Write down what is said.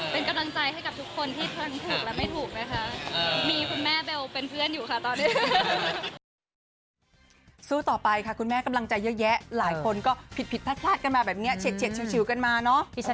เป็นกำลังใจให้ทุกคนที่กำลังถูกและไม่ถูกนะคะ